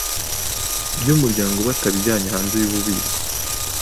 by umuryango batabijyanye hanze y ububiko